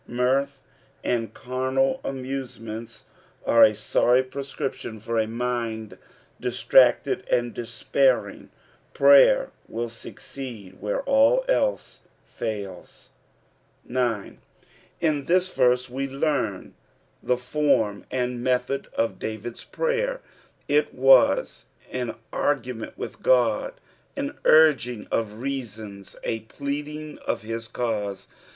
Mirth and carnal amuso> ments are a sorry prescription for a mind distracted and despairing : prayer will succeed wliere aUelae fails. 9. In this verse we team the form and method of David's prayer. It was tn argument with Ood, an urging of reasons, a pleading of hia cause.